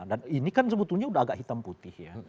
dan ini kan sebetulnya udah agak hitam putih ya